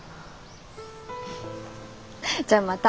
じゃあまた。